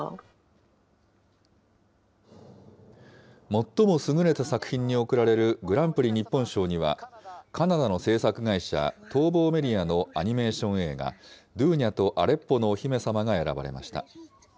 最も優れた作品に贈られるグランプリ日本賞には、カナダの制作会社、トーボーメディアのアニメーション映画、ドゥーニャとアレッポのお姫様が選ばれました。